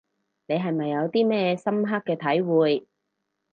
你係咪有啲咩深刻嘅體會